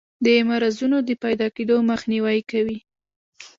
د مرضونو د پیداکیدو مخنیوی کوي.